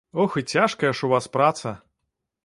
Ох, і цяжкая ж у вас праца!